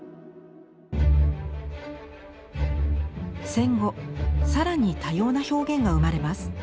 戦後更に多様な表現が生まれます。